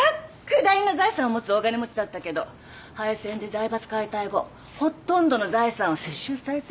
莫大な財産を持つ大金持ちだったけど敗戦で財閥解体後ほとんどの財産を接収されてしまったの。